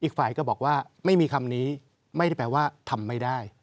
อีกฝ่ายก็บอกว่าไม่มีคำนี้ไม่ได้แปลว่าทำไม่ได้